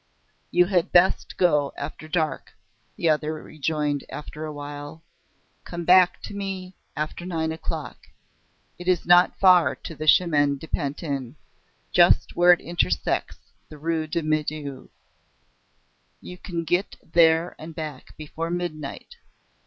"You had best go after dark," the other rejoined after awhile. "Come back to me after nine o'clock. It is not far to the Chemin de Pantin just where it intersects the Route de Meaux. You can get there and back before midnight.